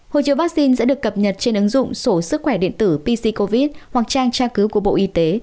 hồ chứa vaccine sẽ được cập nhật trên ứng dụng sổ sức khỏe điện tử pc covid hoặc trang tra cứu của bộ y tế